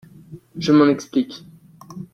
Je m’en explique.